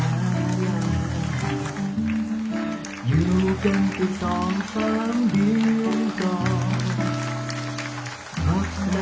คำเดิมที่เปล่าว่าเค้าจะเป็นใคร